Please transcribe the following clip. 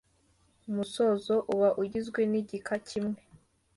Umusozo uba ugizwe n’igika kimwe